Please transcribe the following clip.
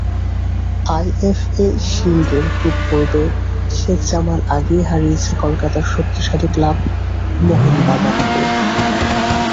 IFA শিল্ডের group পর্বে শেখ জামাল আগেই হারিয়েছে কলকাতার শক্তিশালী ক্লাব মোহনবাগানকে।